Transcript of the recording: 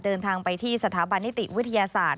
เดินทางไปที่สถาบันนิติวิทยาศาสตร์